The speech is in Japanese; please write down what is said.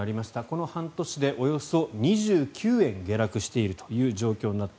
この半年でおよそ２９円下落している状況です。